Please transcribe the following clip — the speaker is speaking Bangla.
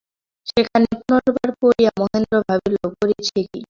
সেখানি পুনর্বার পড়িয়া মহেন্দ্র ভাবিল, করেছি কী।